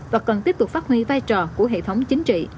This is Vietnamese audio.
và cần tiếp tục phát huy vai trò của hệ thống chính trị